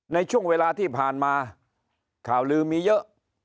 ในช่วงเวลาที่ผ่านมาข่าวลือมีเยอะ